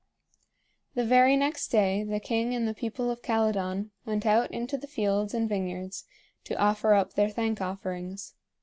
The very next day the king and the people of Calydon went out into the fields and vineyards to offer up their thank offerings.